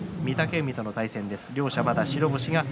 海との対戦です。